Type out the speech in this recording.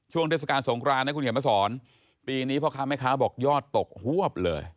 เทศกาลสงครานนะคุณเขียนมาสอนปีนี้พ่อค้าแม่ค้าบอกยอดตกฮวบเลย